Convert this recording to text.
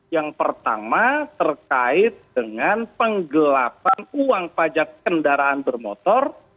yang pertama terkait dengan penggelapan uang pajak kendaraan bermotor